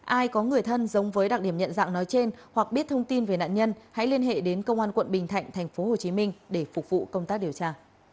ai có người thân giống với đặc điểm nhận dạng nói trên hoặc biết thông tin về nạn nhân hãy liên hệ đến công an quận bình thạnh tp hcm để phục vụ công tác điều tra